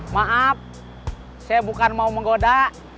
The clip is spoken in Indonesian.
maaf saya bukan mau menggoda